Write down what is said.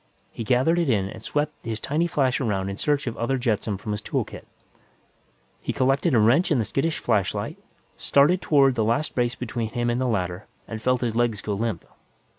He gathered it in and swept his tiny flash around in search of other jetsam from his tool kit. He collected a wrench and the skittish flashlight, started toward the last brace between him and the ladder, and felt his legs go limp.